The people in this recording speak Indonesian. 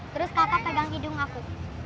terus kakak pegang hidung aku